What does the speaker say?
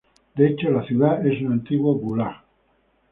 De hecho, la ciudad es un antiguo gulag.